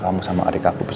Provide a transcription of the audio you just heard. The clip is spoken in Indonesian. kamu gak usah khawatir